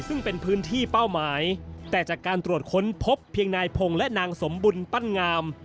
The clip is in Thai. ซึ่งเป็นพื้นที่เป้าหมายแต่จากการตรวจค้นพบเพียงนายพงศ์และนางสมบุญปั้นงาม